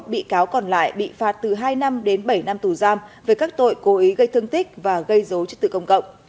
hai mươi bị cáo còn lại bị phạt từ hai năm đến bảy năm tù giam về các tội cố ý gây thương tích và gây dối chức tự công cộng